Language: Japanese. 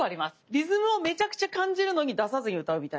リズムをめちゃくちゃ感じるのに出さずに歌うみたいな。は。